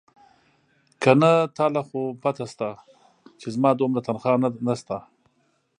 که نه تا له خو پته شتې چې زما دومره تنخواه نيشتې.